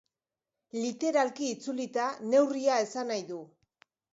Literalki itzulita, neurria esan nahi du.